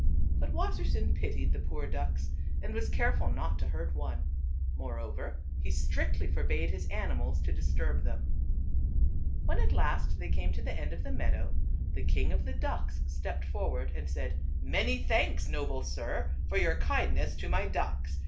But Wassersein pitied TWO Bit OTHERS. 291 the poor ducks and was careful not to hurt one. Moreover, he strictly forbade his animals to dis turb them. When at last they came to the end of the meadow, the king of the ducks stepped forward and said, " Many thanks, noble sir, for your kindness to my ducks.